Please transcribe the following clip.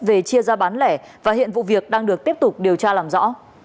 về chia ra bán lẻ và hiện vụ việc đang được tiếp tục điều tra làm rõ